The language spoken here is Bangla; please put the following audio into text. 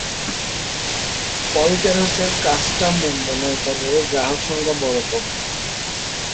পল কেরসের কাগজটা মন্দ নয়, তবে ওর গ্রাহকসংখ্যা বড় কম।